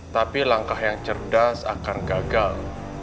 tapi langkah yang cerdas akan gagal